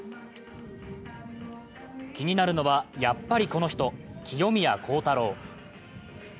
気になるのは、やっぱりこの人、清宮幸太郎。